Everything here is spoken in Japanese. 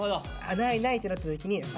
ないないってなった時にあ！